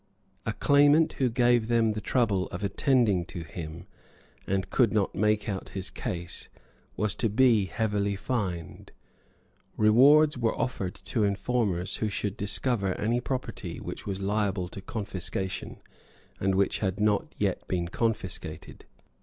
A claimant who gave them the trouble of attending to him, and could not make out his case, was to be heavily fined. Rewards were offered to informers who should discover any property which was liable to confiscation, and which had not yet been confiscated.